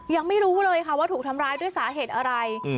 ยังไม่รู้เลยค่ะว่าถูกทำร้ายด้วยสาเหตุอะไร